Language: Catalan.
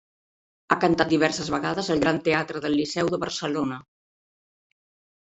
Ha cantat diverses vegades al Gran Teatre del Liceu de Barcelona.